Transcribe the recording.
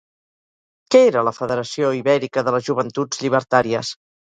Què era la Federació Ibèrica de les Joventuts Llibertàries?